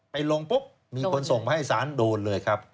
ไปลงปุ๊บมีคนส่งมาให้สารโดนเลยครับ